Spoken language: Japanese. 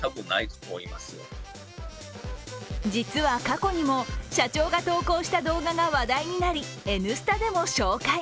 実は過去にも、社長が投稿した動画が話題になり「Ｎスタ」でも紹介。